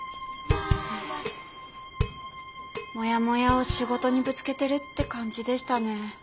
モヤモヤを仕事にぶつけてるって感じでしたね。